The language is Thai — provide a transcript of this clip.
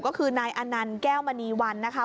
ก็คือนายอนันต์แก้วมณีวันนะคะ